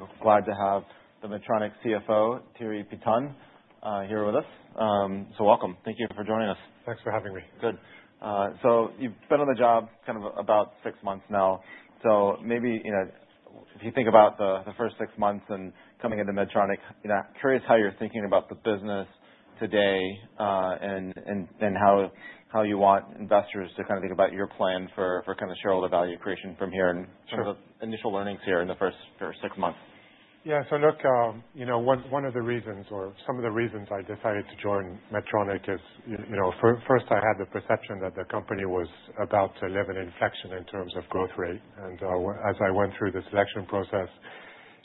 We're glad to have the Medtronic CFO, Thierry Piéton here with us. So welcome. Thank you for joining us. Thanks for having me. Good. So you've been on the job kind of about six months now. So maybe if you think about the first six months and coming into Medtronic, I'm curious how you're thinking about the business today and how you want investors to kind of think about your plan for kind of shareholder value creation from here and sort of initial learnings here in the first six months. Yeah. So look, one of the reasons or some of the reasons I decided to join Medtronic is first I had the perception that the company was about to live an inflection in terms of growth rate. And as I went through the selection process,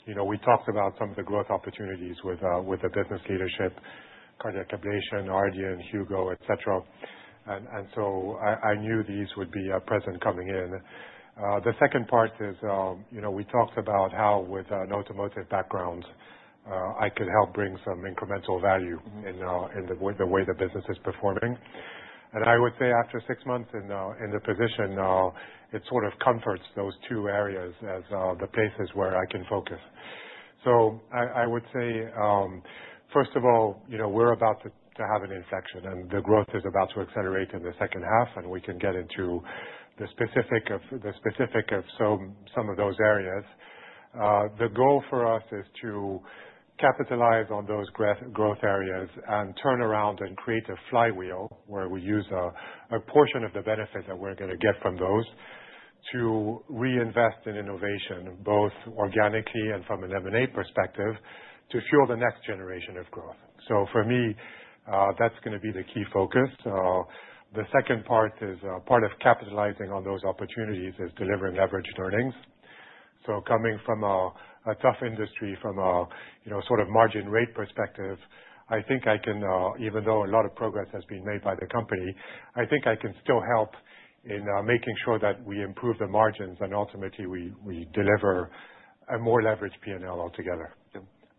we talked about some of the growth opportunities with the business leadership, cardiac ablation, RDN, Hugo, et cetera. And so I knew these would be present coming in. The second part is we talked about how with an automotive background I could help bring some incremental value in the way the business is performing. And I would say after six months in the position, it sort of comforts those two areas as the places where I can focus. So I would say first of all we're about to have an inflection and the growth is about to accelerate in the second half and we can get into the specifics of some of those areas. The goal for us is to capitalize on those growth areas and turn around and create a flywheel where we use a portion of the benefits that we're going to get from those to reinvest in innovation both organically and from an M&A perspective to fuel the next generation of growth. So for me that's going to be the key focus. The second part is part of capitalizing on those opportunities is delivering average earnings. Coming from a tough industry from a sort of margin rate perspective, I think I can, even though a lot of progress has been made by the company, I think I can still help in making sure that we improve the margins and ultimately we deliver a more leveraged P&L altogether.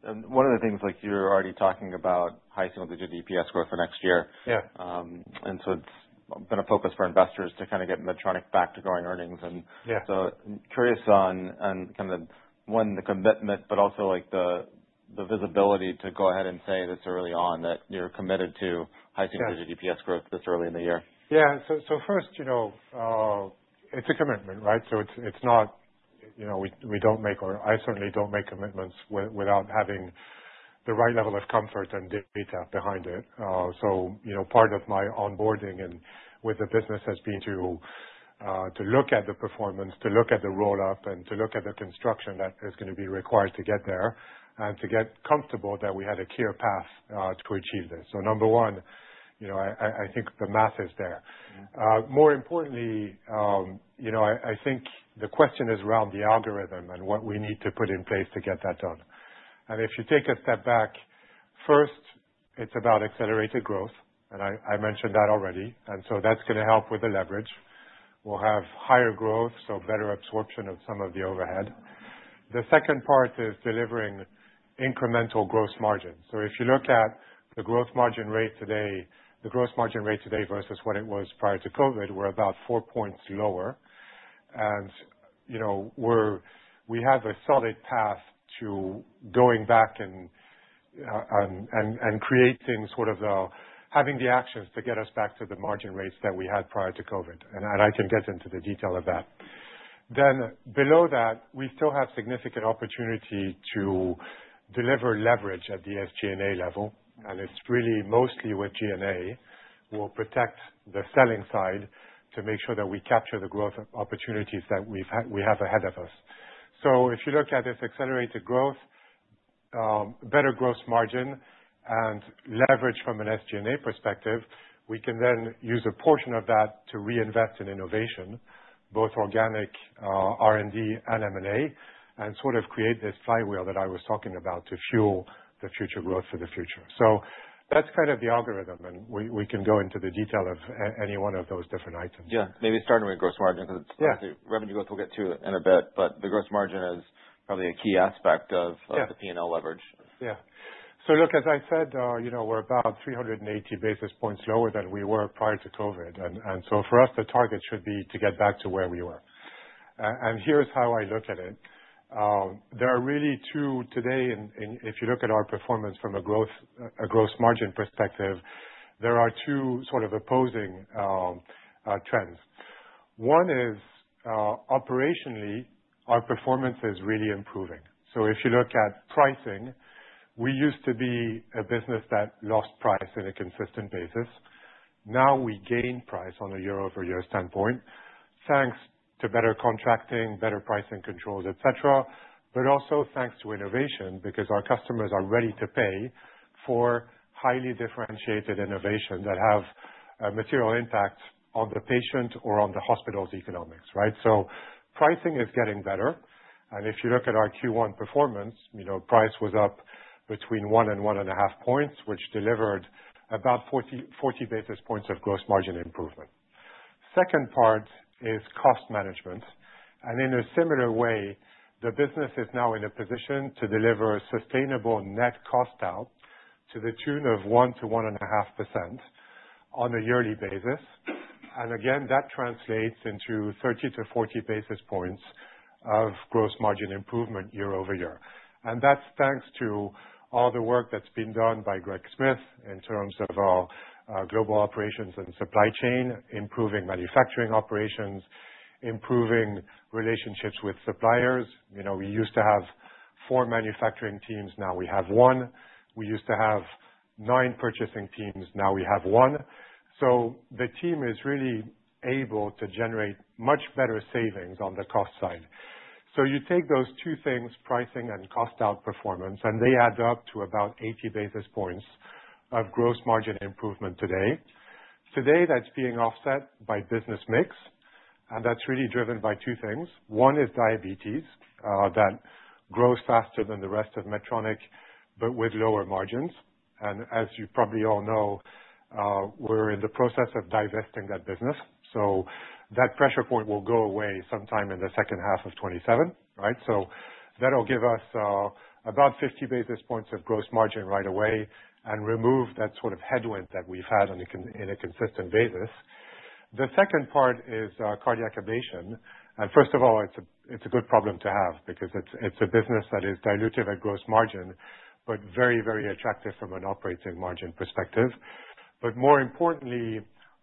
One of the things, like you're already talking about high single-digit EPS growth for next year, and so it's been a focus for investors to kind of get Medtronic back to growing earnings. And so I'm curious on kind of one, the commitment, but also like the visibility to go ahead and say this early on that you're committed to high single-digit EPS growth this early in the year. Yeah. So first, you know, it's a commitment. Right. So it's not, you know, we don't make or I certainly don't make commitments without having the right level of comfort and data behind it. So, you know, part of my onboarding with the business has been to look at the performance, to look at the roll up and to look at the construction that is going to be required to get comfortable that we had a clear path to achieve this. So number one, I think the math is there. More importantly, I think the question is around the algorithm and what we need to put in place to get that done. And if you take a step back first, it's about accelerated growth and I mentioned that already. And so that's going to help with the leverage. We'll have higher growth, so better absorption of some of the overhead. The second part is delivering incremental gross margin. So if you look at the gross margin rate today, the gross margin rate today versus what it was prior to COVID, we're about 4 points lower. And you know, we have a solid path to going back and creating sort of having the actions to get us back to the margin rates that we had prior to COVID. And I can get into the detail of that. Then below that, we still have significant opportunity to deliver leverage at the SG&A level. And it's really mostly with G&A. We'll protect the selling side to make sure that we capture the growth opportunities that we have ahead of us. So if you look at this accelerated growth, better gross margin and leverage from an SG&A perspective, we can then use a portion of that to reinvest in innovation, both organic R&D and M&A and sort of create this flywheel that I was talking about to fuel the future growth for the future. So that's kind of the algorithm and we can go into the detail of any one of those different items. Yes, maybe starting with gross margin because it's revenue growth we'll get to in a bit, but the gross margin is probably a key aspect of the P&L leverage. Yeah. So look, as I said, you know, we're about 380 basis points lower than we were prior to COVID. And so for us, the target should be to get back to where we were. And here's how I look at it. There are really two today. If you look at our performance from a gross margin perspective, there are two sort of opposing trends. One is operationally our performance is really improving. So if you look at pricing, we used to be a business that lost price on a consistent basis. Now we gain price on a year-over-year standpoint, thanks to better contracting, better pricing controls, et cetera, but also thanks to innovation, because our customers are ready to pay for highly differentiated innovation that have a material impact on the patient or on the hospital's economics. Right. So pricing is getting better. And if you look at our Q1 performance, price was up between one and one and a half points, which delivered about 40 basis points of gross margin improvement. Second part is cost management. And in a similar way, the business is now in a position to deliver a sustainable net cost out to the tune of 1%-1.5% on a yearly basis. And again, that translates into 30-40 basis points of gross margin improvement year-over-year. And that's thanks to all the work that's been done by Greg Smith in terms of our global operations and supply chain. Improving manufacturing operations, improving relationships with suppliers. We used to have four manufacturing teams, now we have one. We used to have nine purchasing teams, now we have one. So the team is really able to generate much better savings on the cost side. So you take those two things, pricing and cost outperformance, and they add up to about 80 basis points of gross margin improvement today. Today, that's being offset by business mix, and that's really driven by two things. One is diabetes that grows faster than the rest of Medtronic, but with lower margins. And as you probably all know, we're in the process of divesting that business. So that pressure point will go away sometime in second half of 2027. Right. So that'll give us about 50 basis points of gross margin right away and remove that sort of headwind that we've had in a consistent basis. The second part is cardiac ablation. And first of all, it's a good problem to have because it's a business that is dilutive at gross margin, but very, very attractive from an operating margin perspective. But more importantly,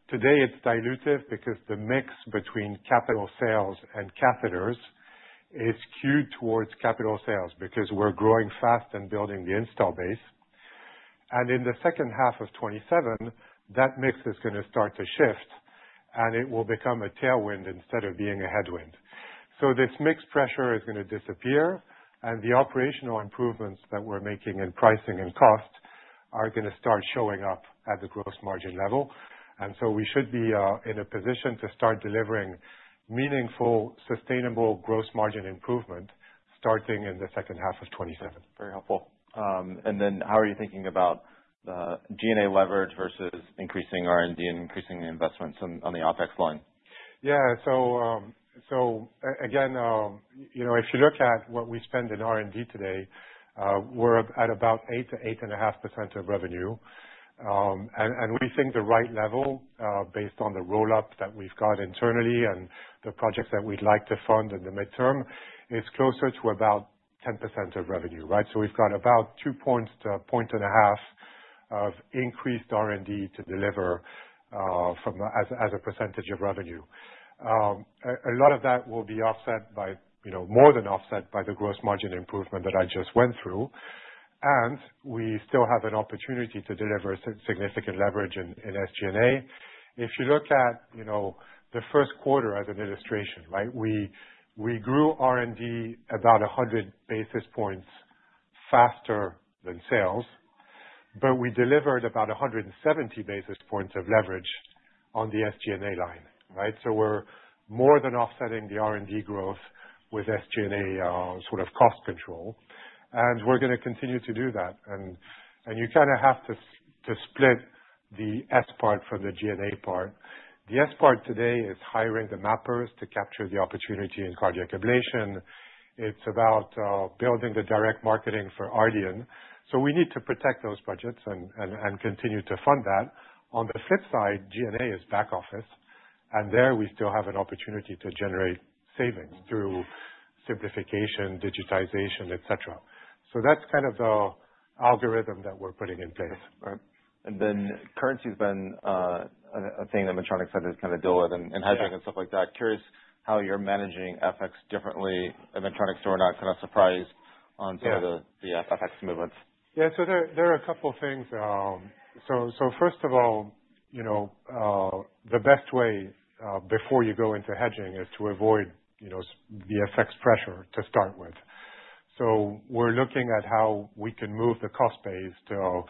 today it's dilutive because the mix between capital sales and catheters is skewed towards capital sales because we're growing fast and building the install base. And in the second half of 2027, that mix is going to start to shift and it will become a tailwind instead of being a headwind. So this mix pressure is going to disappear and the operational improvements that we're making in pricing and cost are going to start showing up at the gross margin level. And so we should be in a position to start delivering meaningful, sustainable gross margin improvement starting in the second half of 2027. Very helpful. And then how are you thinking about G&A leverage versus increasing R&D and increasing investments on the OpEx line? Yeah. So again, if you look at what we spend in R&D today, we're at about 8%-8.5% of revenue. And we think the right level, based on the roll up that we've got internally and the projects that we'd like to fund in the midterm, it's closer to about 10% of revenue. Right. So we've got about two points to a point and a half of increased R&D to deliver as a percentage of revenue. A lot of that will be offset by, you know, more than offset by the gross margin improvement that I just went through. And we still have an opportunity to deliver significant leverage in SG&A. If you look at the first quarter as an illustration, we grew R&D about 100 basis points faster than sales, but we delivered about 170 basis points of leverage on the SG&A line. We're more than offsetting the R&D growth with SG&A sort of cost control and we're going to continue to do that. You kind of have to split the S part from the G&A part. The S part today is hiring the mappers to capture the opportunity in cardiac ablation. It's about building the direct marketing for Ardian. We need to protect those budgets and continue to fund that. On the flip side, G&A is back office and there we still have an opportunity to generate savings through simplification, digitization, et cetera. That's kind of the algorithm that we're putting in place. And then currency has been a thing that Medtronic had to kind of deal with and hedging and stuff like that. Curious how you're managing FX differently than Medtronic does. We're not kind of surprised on some of the FX movements. Yeah. So there are a couple things. So first of all, the best way before you go into hedging is to avoid the FX pressure to start with. So we're looking at how we can move the cost base to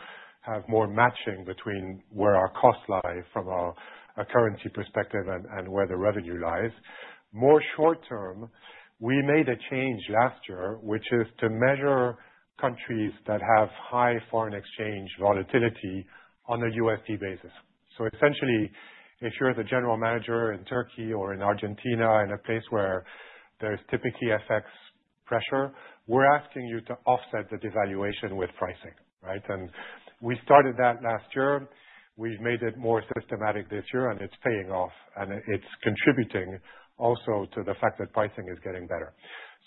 have more matching between where our cost lie from a currency perspective and where the revenue lies more short term. We made a change last year, which is to measure countries that have high foreign exchange volatility on a USD basis. So essentially, if you're the general manager in Turkey or in Argentina, in a place where there's typically FX pressure, we're asking you to offset the devaluation with pricing. Right. And we started that last year. We've made it more systematic this year and it's paying off and it's contributing also to the fact that pricing is getting better.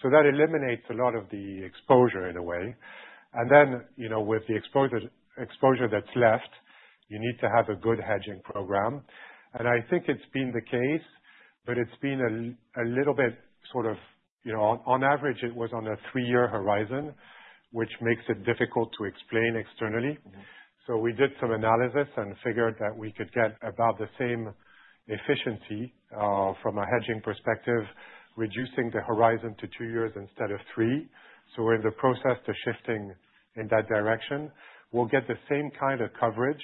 So that eliminates a lot of the exposure in a way. And then with the exposure that's left, you need to have a good hedging program. And I think it's been the case, but it's been a little bit sort of on average it was on a three year horizon, which makes it difficult to explain externally. So we did some analysis and figured that we could get about the same efficiency from a hedging perspective, reducing the horizon to two years instead of three. So we're in the process of shifting in that direction. We'll get the same kind of coverage,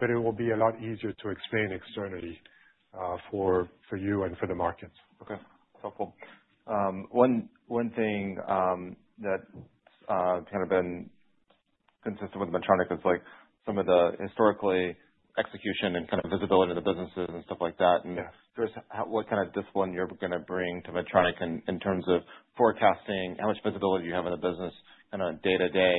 but it will be a lot easier to explain externally for you and for the market. Okay, helpful. One thing that kind of been consistent with Medtronic is like some of the historically execution and kind of visibility of the businesses and stuff like that. And curious what kind of discipline you're going to bring to Medtronic in terms of forecasting how much visibility you have in the business kind of day to day.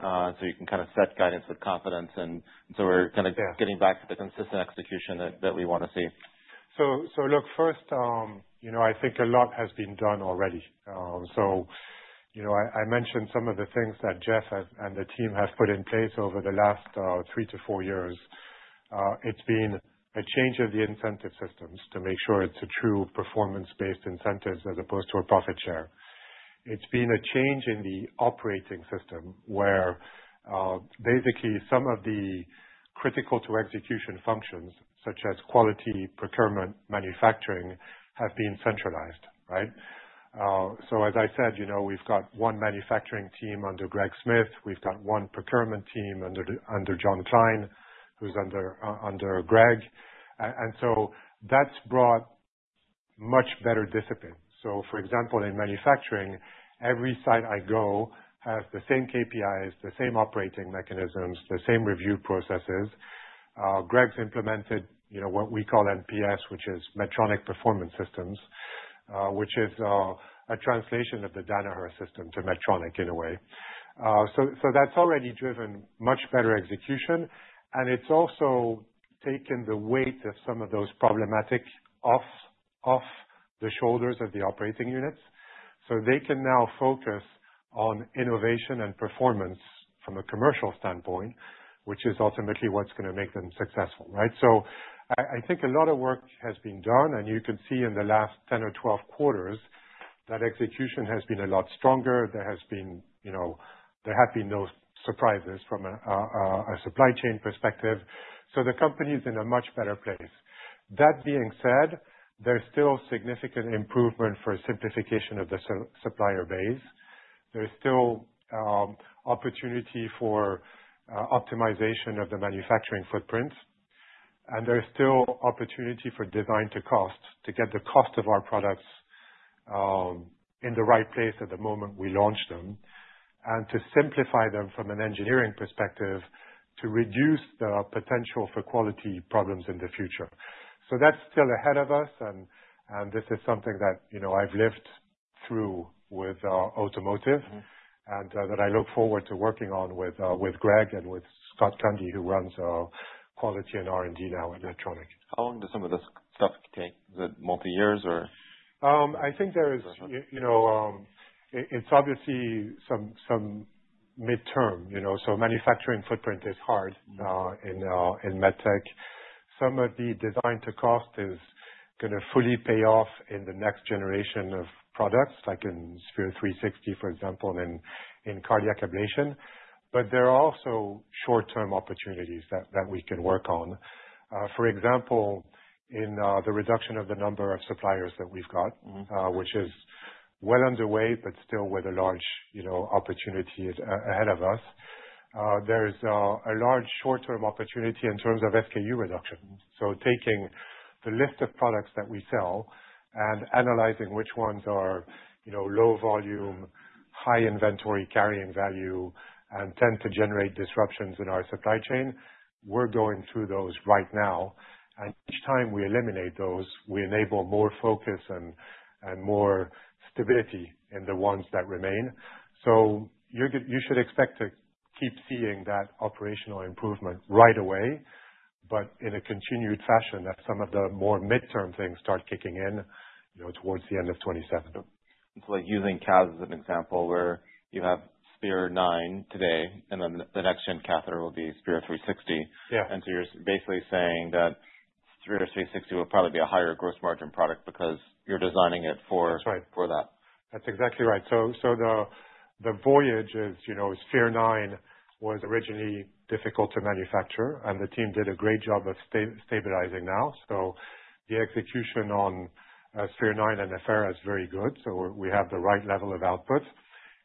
So you can kind of set guidance with confidence. And so we're kind of getting back to the consistent execution that we want to see. So look, first, you know, I think a lot has been done already. So you know, I mentioned some of the things that Geoff and the team have put in place over the last three to four years. It's been a change of the incentive systems to make sure it's a true performance based incentives as opposed to a profit share. It's been a change in the operating system where basically some of the critical to execution functions such as quality, procurement, manufacturing have been centralized. So as I said, we've got one manufacturing team under Greg Smith, we've got one procurement team under John Klein, who's under Greg. And so that's brought much better discipline. So for example, in manufacturing, every site I go has the same KPIs, the same operating mechanisms, the same review processes. Greg's implemented what we call MPS, which is Medtronic Performance Systems, which is a translation of the Danaher system to Medtronic in a way. So that's already driven much better execution and it's also taken the weight of some of those problematic off the shoulders of the operating units. So they can now focus on innovation and performance from a commercial standpoint, which is ultimately what's going to make them successful. Right. So I think a lot of work has been done and you can see in the last 10 or 12 quarters that execution has been a lot stronger. There has been, you know, there have been those surprises from a supply chain perspective. So the company is in a much better place. That being said, there's still significant improvement for simplification of the supplier base. There's still opportunity for optimization of the manufacturing footprint and there's still opportunity for design to cost, to get the cost of our products in the right place at the moment we launch them and to simplify them from an engineering perspective to reduce the potential for quality problems in the future. So that's still ahead of us, and this is something that I've lived through with automotive and that I look forward to working on with Greg and with Scott Cundy who runs quality and R&D now at Medtronic. How long do some of the stuff take? Multi years or. I think there is. It's obviously some midterm. Manufacturing footprint is hard in MedTech. Some of the design to cost is going to fully pay off in the next generation of products like in Sphere-360 for example and in cardiac ablation. But there are also short-term opportunities that we can work on, for example in the reduction of the number of suppliers that we've got, which is well underway. But still with a large opportunity ahead of us, there is a large short-term opportunity in terms of SKU reduction. So taking the list of products that we sell and analyzing which ones are low volume, high inventory carrying value tend to generate disruptions in our supply chain. We're going through those right now and each time we eliminate those we enable more focus and more stability in the ones that remain. So you should expect to keep seeing that operational improvement right away, but in a continued fashion as some of the more midterm things start kicking in towards the end of 2027. Using CAS as an example where you have Sphere-9 today and then the next gen catheter will be Sphere-360. And so you're basically saying that Sphere-360 will probably be a higher gross margin product because you're designing it for that. That's exactly right. So the voyage is, you know, Sphere-9 was originally difficult to manufacture and the team did a great job of stabilizing now. So the execution on Sphere-9 and Affera is very good. So we have the right level of output.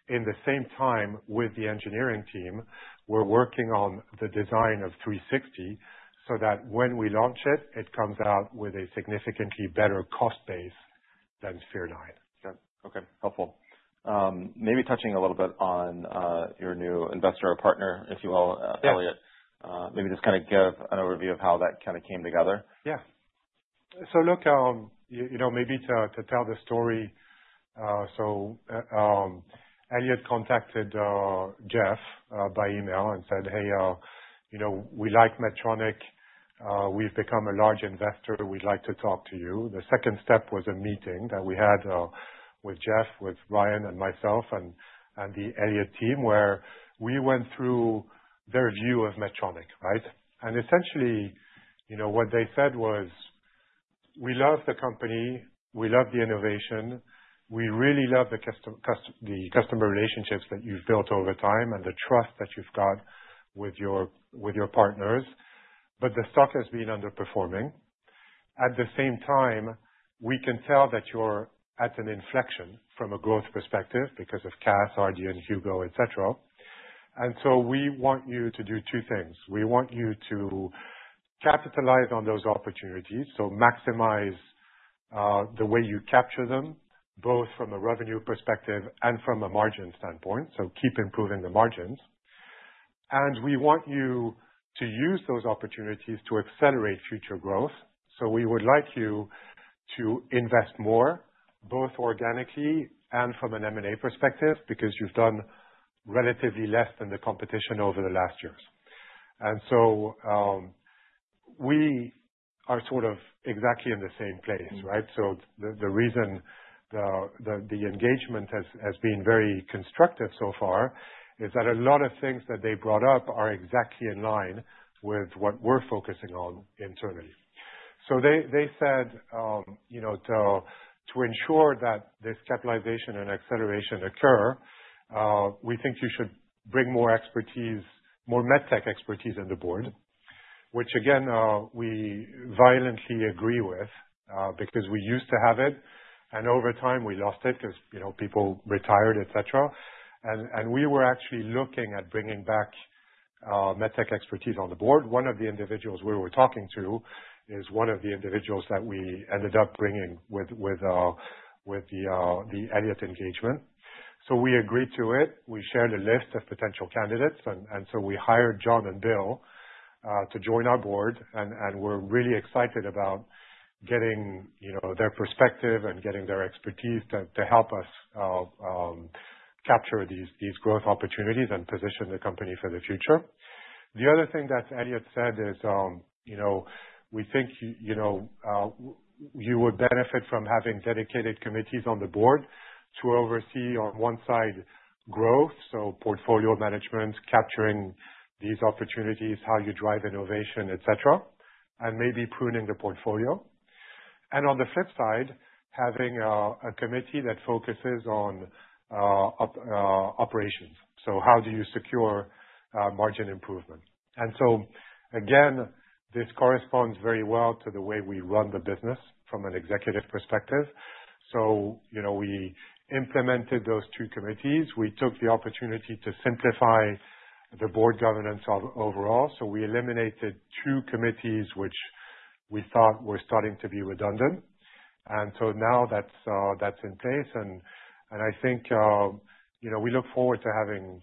In the same time with the engineering team we're working on the design of Sphere-360 so that when we launch it it comes out with a significantly better cost base than Sphere-9. Okay, helpful, maybe touching a little bit on your new investor or partner, if you will, Elliott, maybe just kind of give an overview of how that kind of came together. Yeah, so look, maybe to tell the story. So Elliott contacted Geoff by email and said, hey, we like Medtronic. We've become a large investor. We'd like to talk to you. The second step was a meeting that we had with Geoff, with Ryan and myself and the Elliott team where we went through their view of Medtronic. And essentially what they said was, we love the company, we love the innovation, we really love the customer relationships that you've built over time and the trust that you've got with your partners. But the stock has been underperforming. At the same time, we can tell that you're at an inflection from a growth perspective because of CAS, RDN, Hugo, etc. And so we want you to do two things. We want you to capitalize on those opportunities, so maximize the way you capture them, both from a revenue perspective and from a margin standpoint. So keep improving the margins, and we want you to use those opportunities to accelerate future growth. So we would like you to invest more both organically and from an M&A perspective, because you've done relatively less than the competition over the last years. And so we are sort of exactly in the same place. Right. So the reason the engagement has been very constructive so far is that a lot of things that they brought up are exactly in line with what we're focusing on internally. They said, you know, to ensure that this capitalization and acceleration occur, we think you should bring more expertise, more MedTech expertise in the board, which again, we violently agree with because we used to have it and over time we lost it because people retired, et cetera. We were actually looking at bringing back MedTech expertise on the board. One of the individuals we were talking to is one of the individuals that we ended up bringing with the Elliott engagement. We agreed to it. We shared a list of potential candidates, and so we hired John and Bill to join our board. We're really excited about getting their perspective and getting their expertise to help us capture these growth opportunities and position the company for the future. The other thing that Elliott said is we think you would benefit from having dedicated committees on the board to oversee, on one side, growth. So portfolio management, capturing these opportunities, how you drive innovation, et cetera, and maybe pruning the portfolio, and on the flip side, having a committee that focuses on operations. So how do you secure margin improvement? And so again, this corresponds very well to the way we run the business from an executive perspective. So you know, we implemented those two committees. We took the opportunity to simplify the board governance overall. So we eliminated two committees which we thought were starting to be redundant. And so now that's in place and I think we look forward to having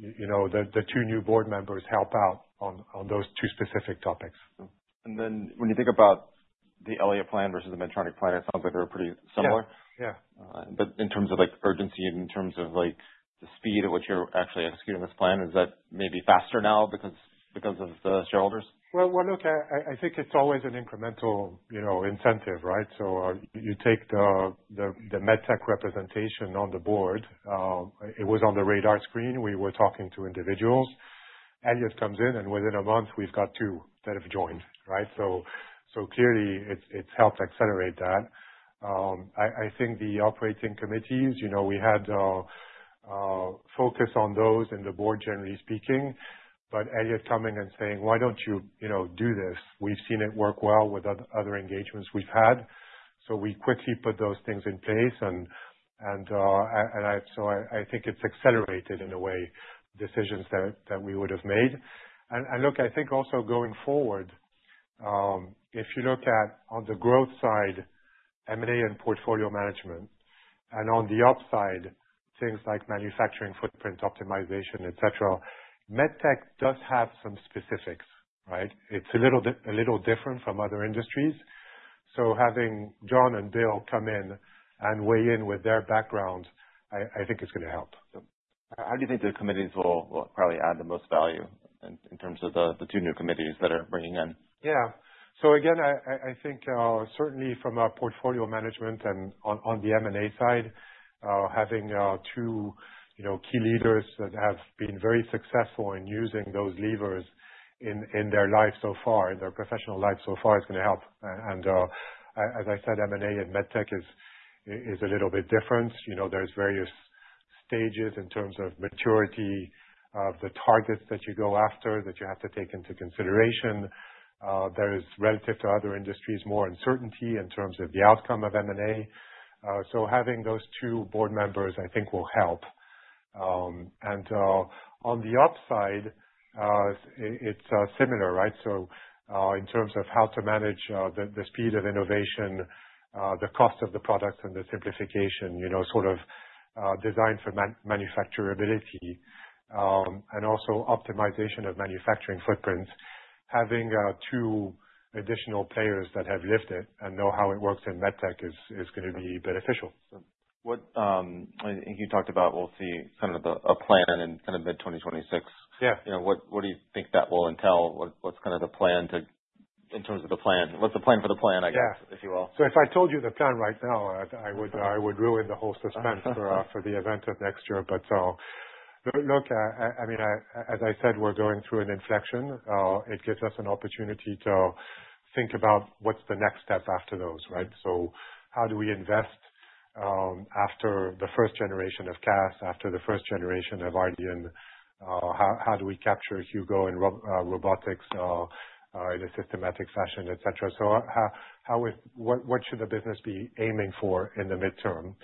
the two new board members help out on those two specific topics. Then when you think about the Elliott plan versus the Medtronic plan, it sounds like they're pretty similar. In terms of urgency, in terms of the speed at which you're actually executing this plan, is that maybe faster now because of the shareholders? Well, look, I think it's always an incremental incentive, right? So you take the MedTech representation on the board. It was on the radar screen. We were talking to individuals. Elliott comes in and within a month we've got two that have joined. Right. So clearly it's helped accelerate that. I think the operating committees we had focus on those and the board generally speaking. But Elliott coming and saying, why don't you do this? We've seen it work well with other engagements we've had, so we quickly put those things in place. And so I think it's accelerated in a way, decisions that we would have made. And look, I think also going forward, if you look at, on the growth side, M&A and portfolio management and on the upside, things like manufacturing footprint optimization, et cetera, MedTech does have some specifics, right. It's a little different from other industries. So having John and Bill come in and weigh in with their background, I think it's going to help. How do you think the committees will probably add the most value in terms of the two new committees that are bringing in? Yes. So again, I think certainly from our portfolio management and on the M&A side, having two key leaders that have been very successful in using those levers in their life so far, their professional life so far is going to help. And as I said, M&A and MedTech is a little bit different. There's various stages in terms of maturity of the targets that you go after that you have to take into consideration. There is, relative to other industries, more uncertainty in terms of the outcome of M&A. So having those two board members I think will help. And on the upside, it's similar. Right. In terms of how to manage the speed of innovation, the cost of the products and the simplification sort of design for manufacturability and also optimization of manufacturing footprint, having two additional players that have lived it and know how it works in MedTech is going to be beneficial. I think you talked about we'll see kind of a plan in kind of mid-2026. What do you think? Think that will entail? What's kind of the plan in terms of the plan? What's the plan for the plan? I guess, if you will. So if I told you the plan right now, I would ruin the whole suspense for the event of next year. But look, I mean, as I said, we're going through an inflection. It gives us an opportunity to think about what's the next step after those. Right. So how do we invest after the first generation of CAs, after the first generation of RDN, how do we capture Hugo and robotics in a systematic fashion, et cetera. So what should the business be aiming for in the midterm?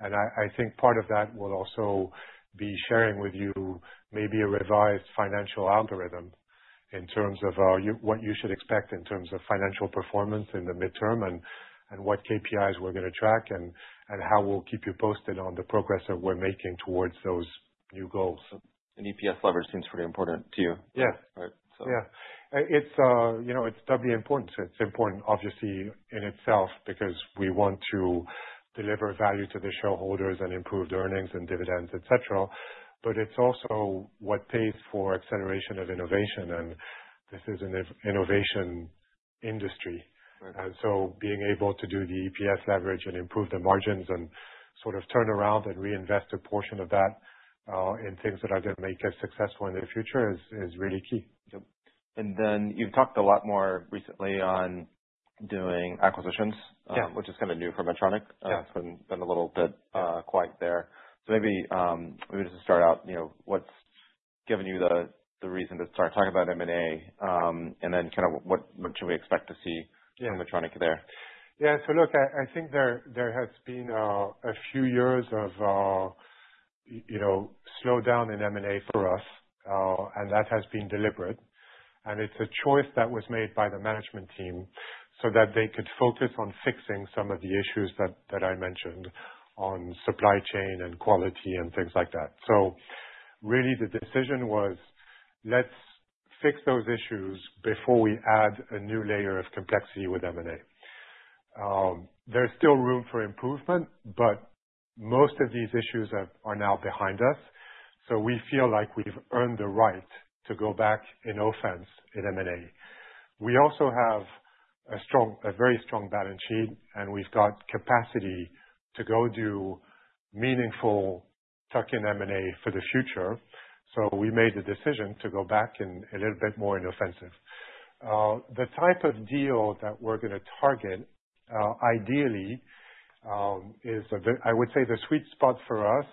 And I think part of that will also be sharing with you maybe a revised financial algorithm in terms of what you should expect in terms of financial performance in the midterm and what KPIs we're going to track and how we'll keep you posted on the progress that we're making towards those. EPS leverage seems pretty important to you? Yeah, right. Yeah, it's doubly important. It's important obviously in itself because we want to deliver value to the shareholders and improve earnings and dividends, et cetera, but it's also what pays for acceleration of innovation. And this is an innovation industry. And so being able to do the EPS leverage and improve the margins and sort of turn around and reinvest a portion of that and things that are going to make us successful in the future is really key. And then you've talked a lot more recently on doing acquisitions, which is kind of new for Medtronic. It's been a little bit quiet there. So maybe just to start out, what's given you the reason to start talking about M&A and then kind of what should we expect to see from Medtronic there? Yeah, so look, I think there has been a few years of slowdown in M&A for us and that has been deliberate. And it's a choice that was made by the management team so that they could focus on fixing some of the issues that I mentioned on supply chain and quality and things like that. So really the decision was let's fix those issues before we add a new layer of complexity. With M&A, there's still room for improvement, but most of these issues are now behind us. So we feel like we've earned the right to go back in offense in M&A. We also have a very strong balance sheet and we've got capacity to go do meaningful tuck in M&A for the future. So we made the decision to go back a little bit more in offensive. The type of deal that we're going to target ideally is, I would say the sweet spot for us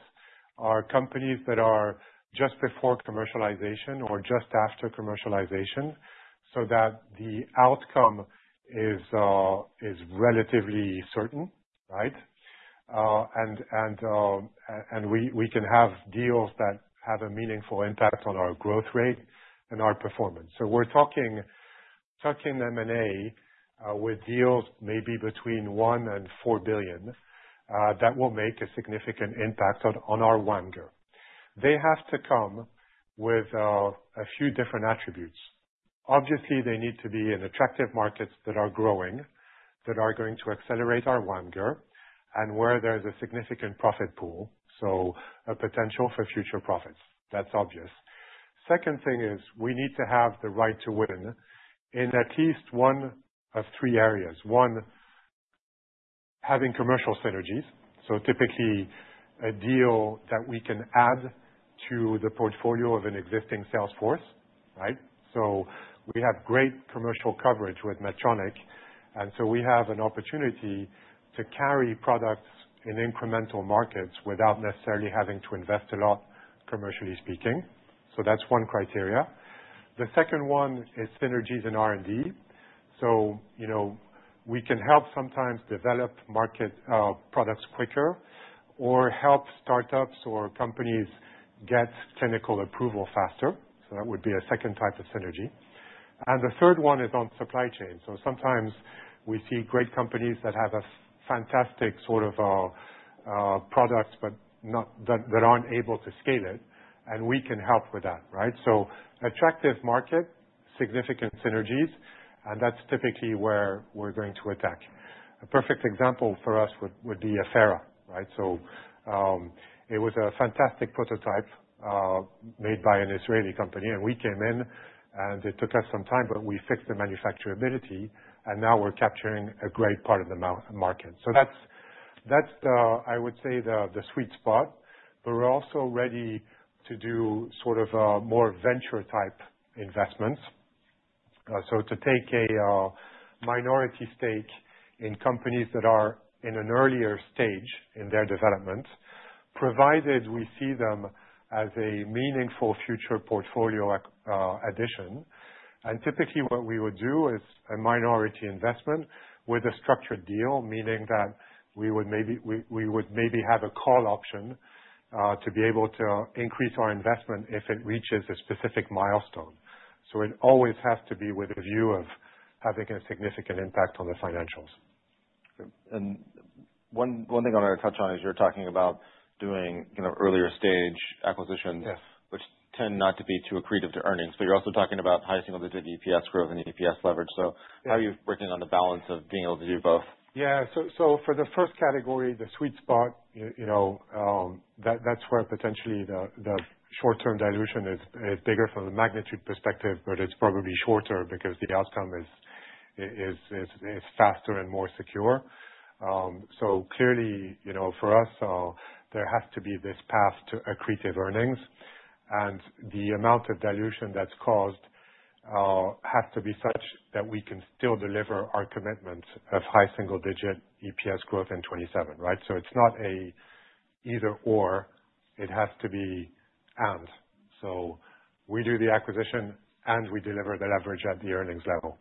are companies that are just before commercialization or just after commercialization so that the outcome is relatively certain. Right, and we can have deals that have a meaningful impact on our growth rate and our performance. So we're talking about tuck in M&A with deals maybe between $1 billion and $4 billion that will make a significant impact on our WAMGR. They have to come with a few different attributes. Obviously they need to be in attractive markets that are growing, that are going to accelerate our WAMGR and where there is a significant profit pool, so a potential for future profits, that's obvious. Second thing is we need to have the right to win in at least one of three areas. One, having commercial synergies. So typically a deal that we can add to the portfolio of an existing sales force, right? So we have great commercial coverage with Medtronic and so we have an opportunity to carry products in incremental markets without necessarily having to invest a lot, commercially speaking. So that's one criteria. The second one is synergies in R&D. So you know, we can help sometimes develop market products quicker or help startups or companies get clinical approval faster. So that would be a second type of synergy. And the third one is on supply chain. So supplement. Sometimes we see great companies that have a fantastic sort of product but that aren't able to scale it and we can help with that. Right. So attractive market, significant synergies and that's typically where we're going to attack. A perfect example for us would be Affera. Right? It was a fantastic prototype made by an Israeli company and we came in and it took us some time but we fixed the manufacturability and now we're capturing a great part of the market. That's, I would say, the sweet spot. But we're also ready to do sort of more venture-type investments. To take a minority stake in companies that are in an earlier stage in their development, provided we see them as a meaningful future portfolio addition. And typically what we would do is a minority investment with a structured deal, meaning that we would maybe have a call option to be able to increase our investment if it reaches a specific milestone. It always has to be with a view of having a significant impact on the financials. And one thing I wanted to touch on is you're talking about doing kind of earlier stage acquisitions which tend not to be too accretive to earnings. But you're also talking about high single digit EPS growth and EPS leverage. So how are you working on the balance of being able to do both? Yeah, so for the first category, the sweet spot, you know, that's where potentially the short term dilution is bigger from the magnitude perspective, but it's probably shorter because the outcome is, is faster and more secure. So clearly for us there has to be this path to accretive earnings. And the amount of dilution that's caused has to be such that we can still deliver our commitments of high single digit EPS growth in 2027. Right. So it's not a either or. It has to be. And so we do the acquisition and we deliver the leverage at the earnings level.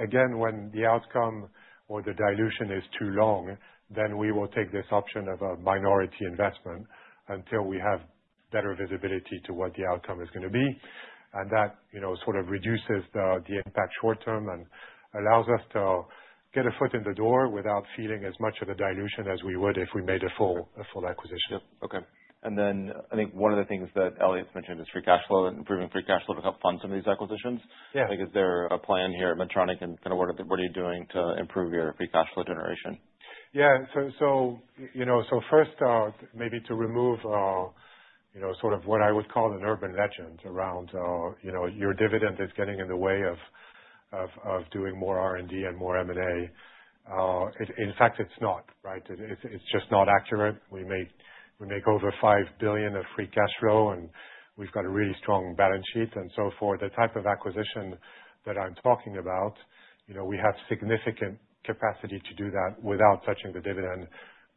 Again, when the outcome or the dilution is too long, then we will take this option of a minority investment until we have better visibility to what the outcome is going to be. That sort of reduces the impact short term and allows us to get a foot in the door without feeling as much of a dilution as we would if we made a full acquisition. Then I think one of the things that Elliott mentioned is free cash flow and improving free cash flow to help fund some of these acquisitions. Is there a plan here at Medtronic and what are you doing to improve your free cash flow generation? Yeah, so first maybe to remove sort of what I would call an urban legend around your dividend is getting in the way of doing more R&D and more M&A. In fact, it's not right, it's just not accurate. We make over $5 billion of free cash flow and we've got a really strong balance sheet. And so for the type of acquisition that I'm talking about, we have significant capacity to do that without touching the dividend.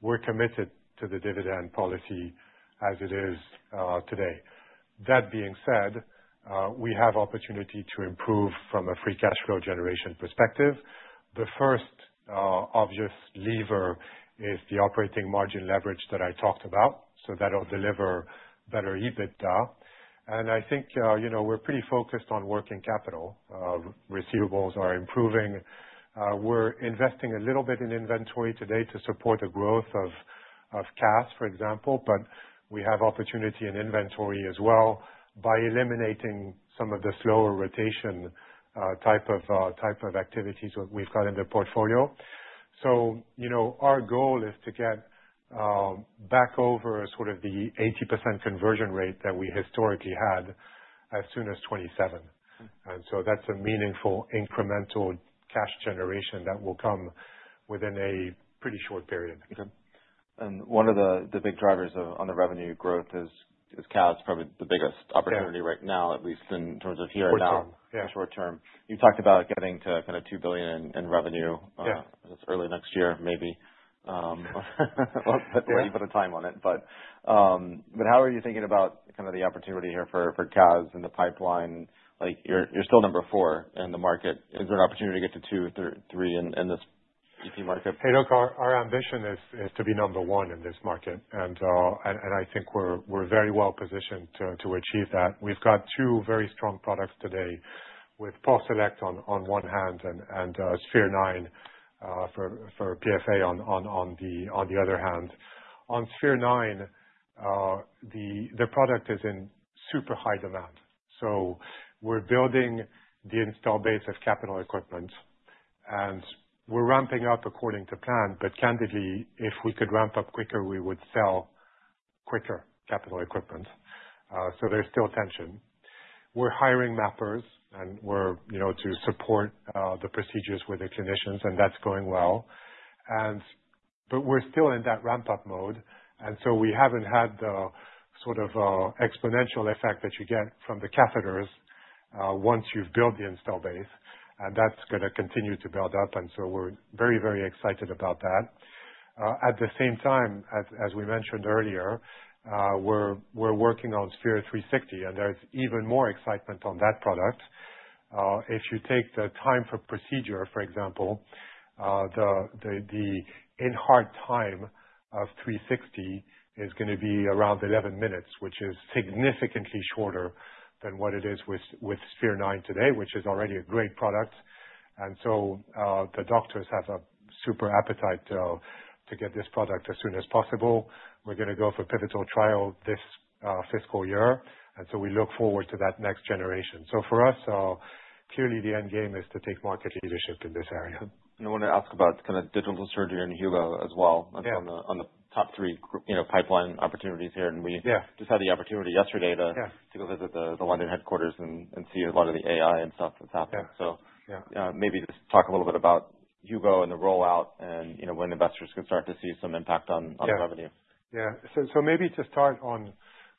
We're committed to the dividend policy as it is today. That being said, we have opportunity to improve from a free cash flow generation perspective. The first obvious lever is the operating margin leverage that I talked about. So that will deliver better EBITDA. And I think we're pretty focused on working capital; receivables are improving. We're investing a little bit in inventory today to support the growth of CAS, for example. But we have opportunity in inventory as well by eliminating some of the slower rotation type of activities we've got in the portfolio. So our goal is to get back over sort of the 80% conversion rate that we historically had as soon as 2027. And so that's a meaningful incremental cash generation that will come within a pretty short period. One of the big drivers on the revenue growth is CAS, probably the biggest opportunity right now, at least in terms of here and now short term. You talked about getting to kind of $2 billion in revenue early next year. Maybe you put a time on it. But how are you thinking about kind of the opportunity here for CAS in the pipeline? Like you're still number four in the market. Is there an opportunity to get to 2, 3 in this EP market? Hey look, our ambition is to be number one in this market and I think we're very well positioned to achieve that. We've got two very strong products today with PulseSelect on one hand and Sphere-9 for PFA on the other hand. On Sphere-9 the product is in super high demand. So we're building the install base of capital equipment and we're ramping up according to plan. But candidly, if we could ramp up quicker, we would sell quicker capital equipment. So there's still tension. We're hiring mappers and we're, you know, to support the procedures with the clinicians and that's going well and but we're still in that ramp up mode and so we haven't had the sort of exponential effect that you get from the catheters once you've built the install base and that's going to continue to build up and so we're very, very excited about that. At the same time, as we mentioned earlier, we're working on Sphere-360 and there's even more excitement on that product. If you take the time for procedure, for example, the in-heart time of Sphere-360 is going to be around 11 minutes, which is significantly shorter than what it is with Sphere-9 today, which is already a great product, and so the doctors have a super appetite to get this product as soon as possible. We're going to go for pivotal trial this fiscal year and so we look forward to that next generation. So for us clearly the end game is to take market leadership in this area. I want to ask about digital surgery in Hugo as well on the top three pipeline opportunities here. And we just had the opportunity yesterday to go visit the London headquarters and see a lot of the AI and stuff that's happening. So maybe just talk a little bit about Hugo and the rollout and when investors could start to see some impact on revenue. Yeah, so maybe to start on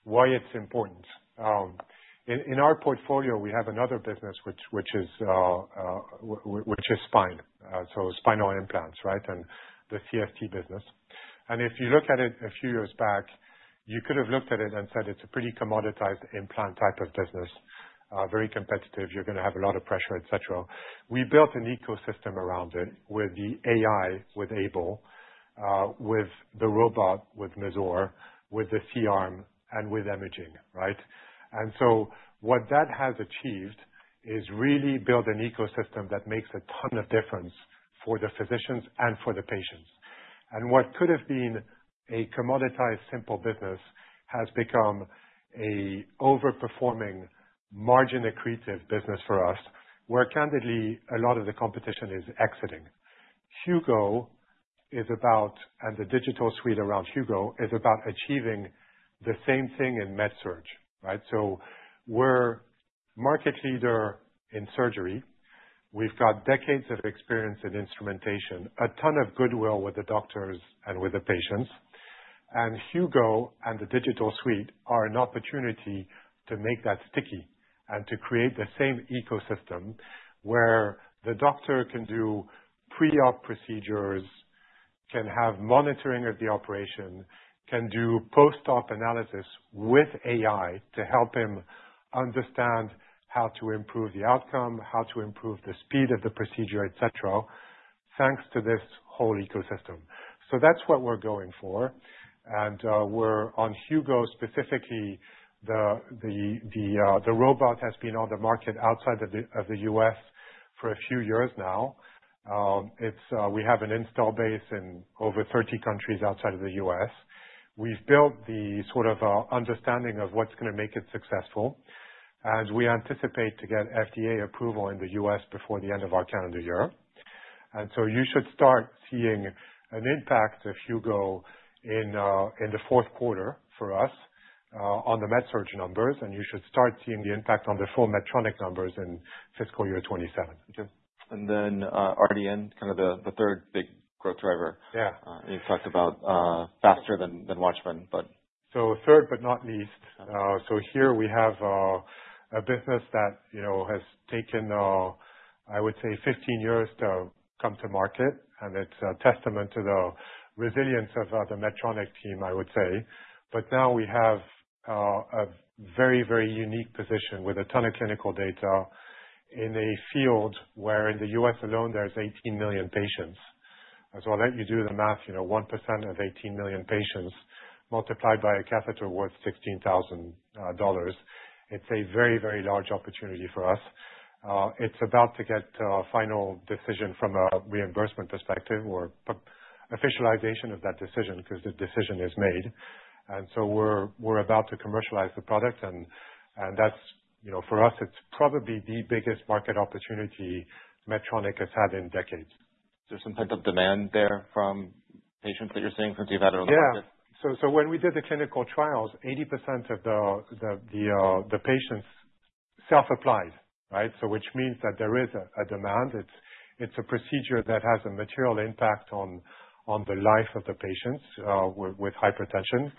why it's important in our portfolio, we have another business which is spine, so spinal implants. Right, and the CST business. And if you look at it a few years back, you could have looked at it and said it's a pretty commoditized implant type of business, very competitive, you're going to have a lot of pressure, et cetera. We built an ecosystem around it with the AiBLE, with the robot, with Mazor, with the C-arm and with imaging. Right, and so what that has achieved is really build an ecosystem that makes a ton of difference for the physicians and for the patients. And what could have been a commoditized, simple business has become a overperforming margin, accretive business for us where candidly, a lot of the competition is exiting. Hugo is about. And the digital suite around Hugo is about achieving the same thing in MedSurg. Right. So we're market leader in surgery, we've got decades of experience in instrumentation, a ton of goodwill with the doctors and with the patients. And Hugo and the digital suite are an opportunity to make that sticky and to create the same ecosystem where the doctor can do pre-op procedures, can have monitoring of the operation, can do post-op analysis with AI to help him understand how to improve the outcome, how to improve the speed of the procedure, et cetera, thanks to this whole ecosystem. So that's what we're going for. And we're on. Hugo specifically, the robot has been on the market outside of the U.S. for a few years now. We have an installed base in over 30 countries outside of the U.S. We've built the sort of understanding of what's going to make it successful as we anticipate to get FDA approval in the U.S. before the end of our calendar year. And so you should start seeing an impact if you go in the fourth quarter for us on the MedSurg numbers. And you should start seeing the impact on the full Medtronic numbers in fiscal. Year 2027 and then RDN, kind of the third big growth driver you talked about, faster than WATCHMAN, but so third but not least. So here we have a business that has taken, I would say 15 years to come to market. And it's a testament to the resilience of the Medtronic team, I would say. But now we have a very, very unique position with a ton of clinical data in a field where in the U.S. alone there's 18 million patients. So I'll let you do the math. 1% of 18 million patients multiplied by a catheter worth $16,000. It's a very, very large opportunity for us. It's about to get final decision from a reimbursement perspective or officialization of that decision because the decision is made. And so we're about to commercialize the product. And that's for us, it's probably the biggest market opportunity Medtronic has had in decades. Is there some type of demand there from patients that you're seeing since you've had it on the market? So when we did the clinical trials, 80% of the patients self applied. Right. So which means that there is a demand. It's a procedure that has a material impact on the life of the patients with hypertension.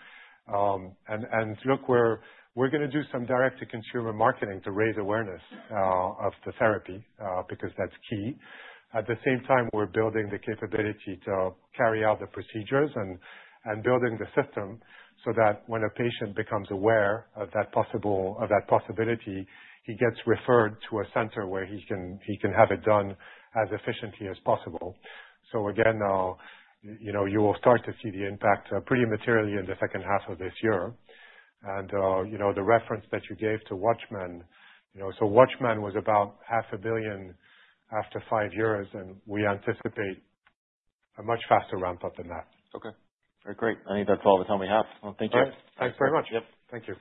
And look, we're going to do some direct to consumer marketing to raise awareness of the therapy because that's key. At the same time, we're building the capability to carry out the procedures and building the system so that when a patient becomes aware of that possibility, he gets referred to a center where he can have it done as efficiently as possible. So again, you will start to see the impact pretty materially in the second half of this year. And the reference that you gave to WATCHMAN, so WATCHMAN was about $500 million after five years. We anticipate a much faster ramp up than that. Okay, very great. I think that's all the time we have. Well, thank you. Thanks very much. Thank you.